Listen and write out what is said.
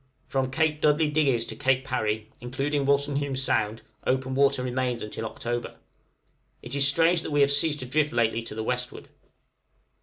From Cape Dudley Digges to Cape Parry, including Wolstenholme Sound, open water remains until October. It is strange that we have ceased to drift lately to the westward.